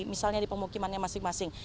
misalnya di pemukimannya masing masing